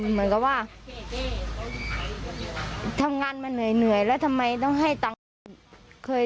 เหมือนกับว่าทำงานมาเหนื่อยแล้วทำไมต้องให้ตังค์